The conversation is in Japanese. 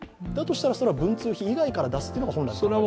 それは文通費以外から出すというのが本来ですね？